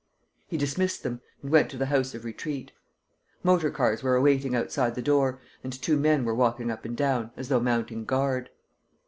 He dismissed them and went to the House of Retreat. Motor cars were awaiting outside the door and two men were walking up and down, as though mounting guard.